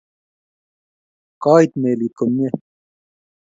Koit melit komye.